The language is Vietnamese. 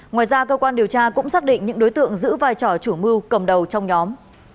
ngoài ra cơ quan điều tra cũng xác định những đối tượng giữ vai trò chủ mưu cầm đầu trong nhóm